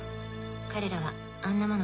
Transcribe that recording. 彼らはあんなもの